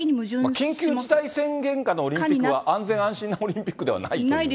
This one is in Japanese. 緊急事態宣言下のオリンピックは、安心・安全のオリンピックではないと。